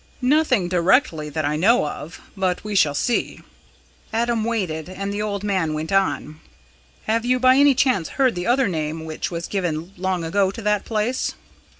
"Nothing directly that I know of. But we shall see." Adam waited, and the old man went on: "Have you by any chance heard the other name which was given long ago to that place."